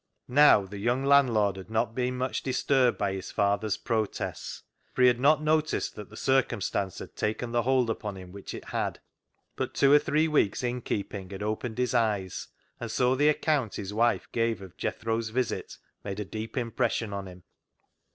Now the young landlord had not been much disturbed by his father's protests, for 152 CLOG SHOP CHRONICLES he had not noticed that the circumstance had taken the hold upon him which it had. But two or three weeks innkeeping had opened his eyes, and so the account his wife gave of Jethro's visit made a deep impression on him.